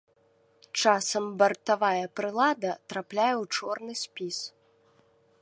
Часам бартавая прылада трапляе ў чорны спіс.